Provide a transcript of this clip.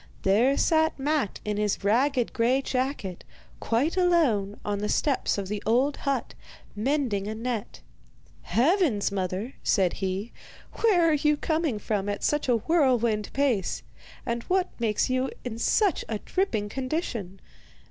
There sat Matte in his ragged grey jacket, quite alone, on the steps of the old hut, mending a net. 'Heavens, mother,' said he, 'where are you coming from at such a whirlwind pace, and what makes you in such a dripping condition?